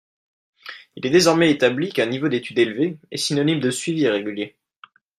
Il est désormais établi qu’un niveau d’études élevé est synonyme de suivi régulier.